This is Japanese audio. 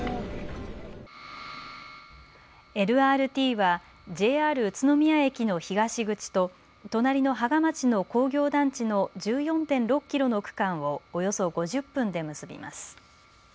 ＬＲＴはＪＲ宇都宮駅の東口と隣の芳賀町の工業団地の１４．６キロの区間をおよそ５０分で結びます。